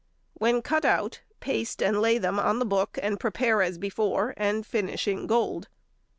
When cut out, paste and lay them on the book and prepare as before, and finish in gold.